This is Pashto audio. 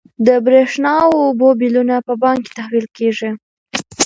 د برښنا او اوبو بلونه په بانک کې تحویل کیږي.